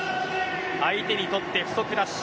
相手にとって不足なし。